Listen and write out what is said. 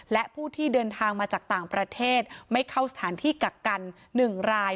และผู้ที่เดินทางมาจากต่างประเทศไม่เข้าสถานที่กักกัน๑ราย